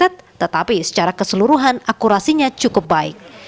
tidak terleset tetapi secara keseluruhan akurasinya cukup baik